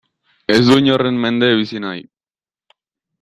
Ez du inoren mende bizi nahi.